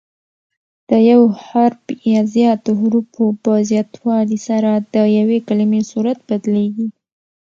د یو حرف یا زیاتو حروفو په زیاتوالي سره د یوې کلیمې صورت بدلیږي.